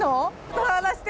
触らして。